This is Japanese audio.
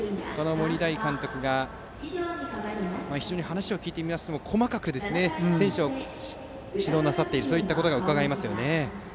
森大監督が一緒に話を聞いてみましても細かく選手を指導なさっていることがうかがえますよね。